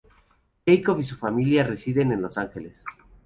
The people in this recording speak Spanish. Jakob y su familia residen en Los Ángeles.